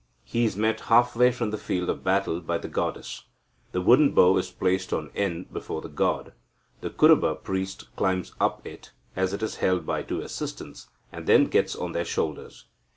He is met half way from the field of battle by the goddess. The wooden bow is placed on end before the god. The Kuruba priest climbs up it, as it is held by two assistants, and then gets on their shoulders.